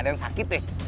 ada yang sakit ya